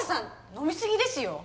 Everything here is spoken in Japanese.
飲み過ぎですよ